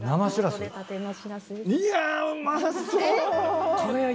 いやうまそう！